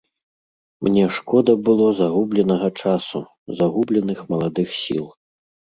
Мне шкода было загубленага часу, загубленых маладых сіл.